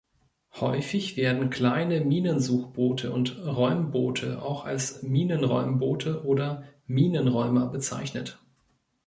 Häufig werden kleine Minensuchboote und Räumboote auch als „Minenräumboote“ oder „Minenräumer“ bezeichnet.